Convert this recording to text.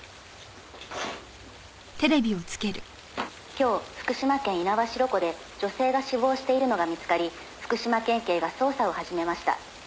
「今日福島県猪苗代湖で女性が死亡しているのが見つかり福島県警が捜査を始めました」